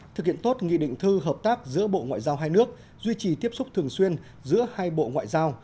thực hiện tốt nghị định thư hợp tác giữa bộ ngoại giao hai nước duy trì tiếp xúc thường xuyên giữa hai bộ ngoại giao